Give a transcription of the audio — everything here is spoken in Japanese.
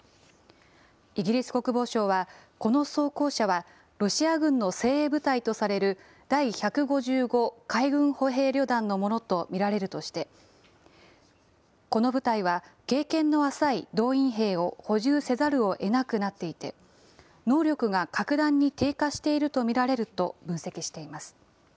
イギリス国防省は、この装甲車はロシア軍の精鋭部隊とされる第１５５海軍歩兵旅団のものと見られるとして、この部隊は経験の浅い動員兵を補充せざるをえなくなっていて、能力が格段に低下していると見られると分析しています。